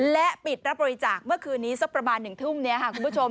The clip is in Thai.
และปิดรับบริจาคเมื่อคืนนี้สักประมาณ๑ทุ่มนี้ค่ะคุณผู้ชม